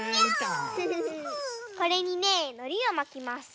これにねのりをまきます。